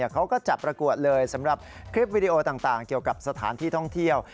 เขาก็จัดประกวดเลยสำหรับคลิปวิดีโอต่างเกี่ยวกับสถานที่ท่องเที่ยว